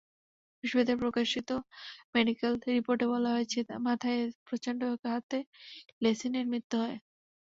বৃহস্পতিবার প্রকাশিত মেডিকেল রিপোর্টে বলা হয়েছে, মাথায় প্রচণ্ড আঘাতে লেসিনের মৃত্যু হয়।